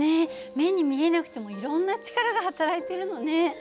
目に見えなくてもいろんな力がはたらいてるのね。